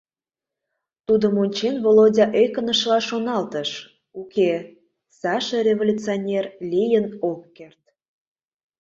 Тудым ончен, Володя, ӧкынышыла шоналтыш: «Уке, Саша революционер лийын ок керт».